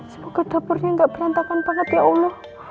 semoga dapurnya gak berantakan banget ya allah